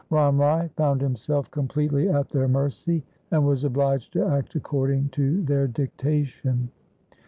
Ram Rai found himself completely at their mercy, and was obliged to act according to their dictation.